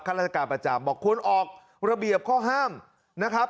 ราชการประจำบอกควรออกระเบียบข้อห้ามนะครับ